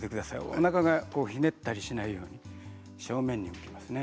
おなかをひねったりしないように正面ですね。